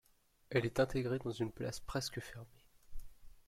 Elle est intégrée dans une place presque fermée.